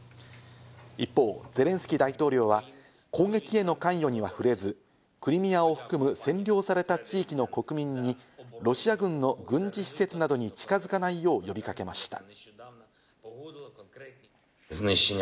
一方、ゼレンスキー大統領は攻撃への関与には触れず、クリミアを含む占領された地域の国民にロシア軍の軍事施設などに近づかないよう、呼びかけました。